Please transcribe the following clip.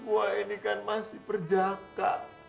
wah ini kan masih perjaka